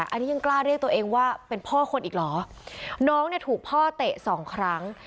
อันนี้ยังกล้าเรียกตัวเองว่าเป็นพ่อคนอีกเหรอน้องเนี่ยถูกพ่อเตะสองครั้ง